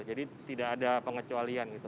jadi tidak ada pengecualian gitu